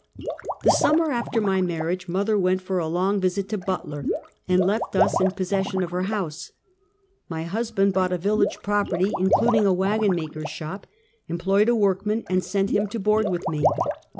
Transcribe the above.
The summer after my marriage, mother went for a long visit to Butler, and left us in possession of her house. My husband bought a village property, in cluding a wagon maker's shop, employed a workman and sent him to board with me.